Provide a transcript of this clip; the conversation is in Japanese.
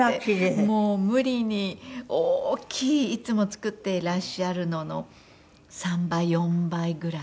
もう無理に大きいいつも作っていらっしゃるのの３倍４倍ぐらい。